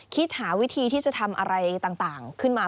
คิดหาวิธีที่จะทำอะไรต่างขึ้นมา